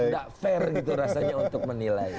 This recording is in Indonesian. tidak fair gitu rasanya untuk menilai